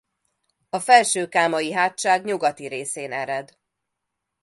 A Felső-kámai-hátság nyugati részén ered.